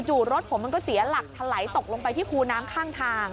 รถผมมันก็เสียหลักทะไหลตกลงไปที่คูน้ำข้างทาง